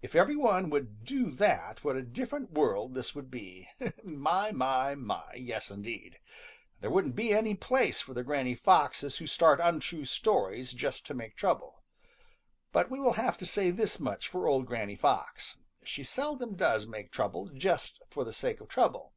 |IF every one would do that what a different world this would he! My, my, my, yes, indeed! There wouldn't be any place for the Granny Foxes who start untrue stories just to make trouble. But we will have to say this much for old Granny Fox, she seldom does make trouble just for the sake of trouble.